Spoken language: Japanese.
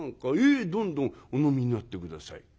「ええどんどんお飲みになって下さい」。